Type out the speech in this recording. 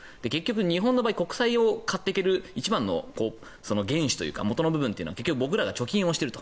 日本の場合、国債を買っていける一番の原資というのが元の部分は結局、僕らが貯金をしていると。